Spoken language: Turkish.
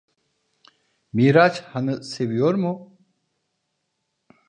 Miraç Han'ı seviyor mu?